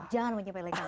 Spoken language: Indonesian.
jangan menyepelek lagi